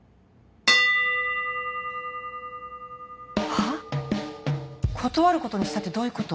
は？断ることにしたってどういうこと？